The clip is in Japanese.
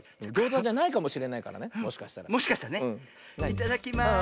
いただきます。